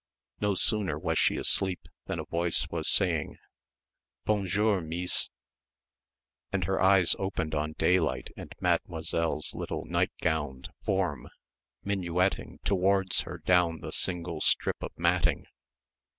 No sooner was she asleep than a voice was saying, "Bonjour, Meece," and her eyes opened on daylight and Mademoiselle's little night gowned form minuetting towards her down the single strip of matting.